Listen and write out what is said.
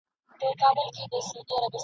چا تر خولې را بادوله سپین ځګونه !.